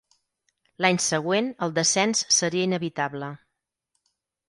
L'any següent el descens seria inevitable.